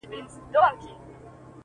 امیر ورکړه یو غوټه د لوټونو!.